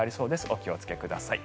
お気をつけください。